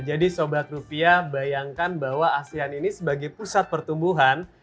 jadi sobat rupiah bayangkan bahwa asean ini sebagai pusat pertumbuhan